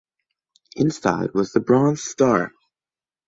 Inside was the Bronze Star.